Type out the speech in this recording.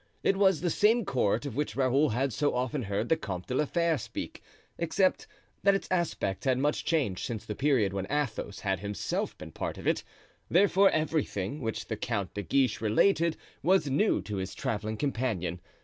It was the same court of which Raoul had so often heard the Comte de la Fere speak, except that its aspect had much changed since the period when Athos had himself been part of it; therefore everything which the Count de Guiche related was new to his traveling companion.